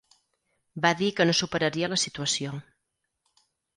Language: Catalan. Va dir que no superaria la situació.